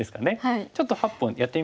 ちょっと８本やってみましょうか。